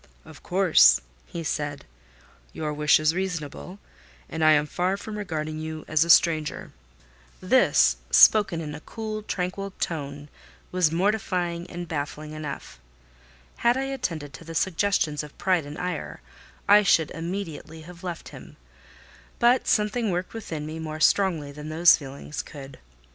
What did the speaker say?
"Of course," he said. "Your wish is reasonable, and I am far from regarding you as a stranger." This, spoken in a cool, tranquil tone, was mortifying and baffling enough. Had I attended to the suggestions of pride and ire, I should immediately have left him; but something worked within me more strongly than those feelings could.